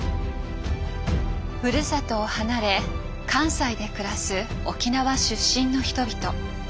ふるさとを離れ関西で暮らす沖縄出身の人々。